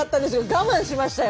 我慢しましたよ。